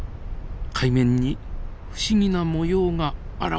海面に不思議な模様が現れました。